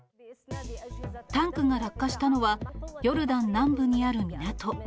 タンクが落下したのは、ヨルダン南部にある港。